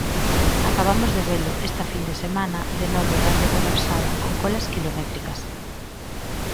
Acabamos de velo esta fin de semana: de novo Rande colapsada, con colas quilométricas.